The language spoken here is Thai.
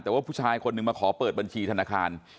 แต่ว่าผู้ชายคนหนึ่งมาขอเปิดบัญชีธนาคาร